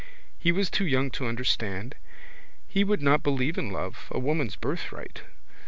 He was too young to understand. He would not believe in love, a woman's birthright.